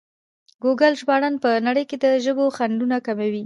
ګوګل ژباړن په نړۍ کې د ژبو خنډونه کموي.